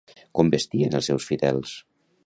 Com vestien els seus fidels?